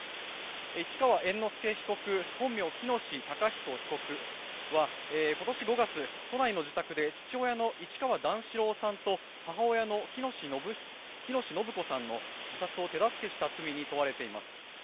市川猿之助被告本名・喜熨斗孝彦被告は今年５月、都内の自宅で父親の市川段四郎さんと母親の喜熨斗延子さんの自殺を手助けした罪に問われています。